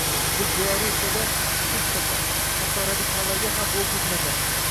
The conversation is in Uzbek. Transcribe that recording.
Biz Belorussiyada hech qachon, hatto radikallarga ham o‘q uzmaganmiz